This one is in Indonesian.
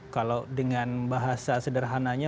kalau dengan bahasa sederhananya